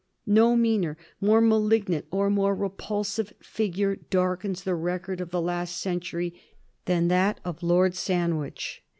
No meaner, more malignant, or more repulsive figure darkens the record of the last century than that of Lord Sandwich.